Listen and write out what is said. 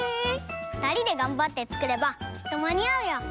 ふたりでがんばってつくればきっとまにあうよ！